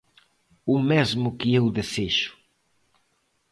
O mesmo que eu desexo.